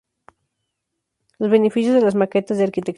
Los beneficios de las maquetas de arquitectura